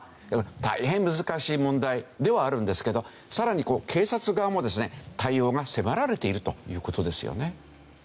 大変難しい問題ではあるんですけどさらに警察側もですね対応が迫られているという事ですよね。